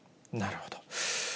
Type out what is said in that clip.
なるほど。